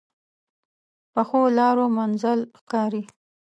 پخو لارو منزل ښکاري